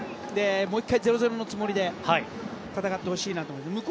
もう１回０−０のつもりで戦ってほしいと思います。